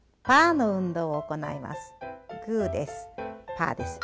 パーです。